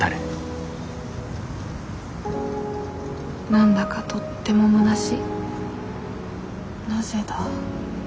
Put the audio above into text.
何だかとってもむなしいなぜだ？